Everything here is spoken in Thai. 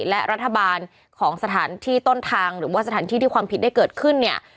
และรัฐบาลของสถานที่ต้นทางหรือว่าสถานที่ที่ความผิดได้เกิดขึ้นเนี่ย